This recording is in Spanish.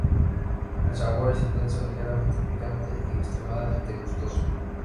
El sabor es intenso, ligeramente picante y extremadamente gustoso.